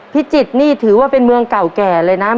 พิจิตรนี่ถือว่าเป็นเมืองเก่าแก่เลยนะ